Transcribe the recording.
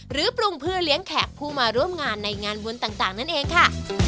ปรุงเพื่อเลี้ยงแขกผู้มาร่วมงานในงานบุญต่างนั่นเองค่ะ